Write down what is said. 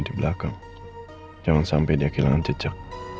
tapi saya harus berpikir cepat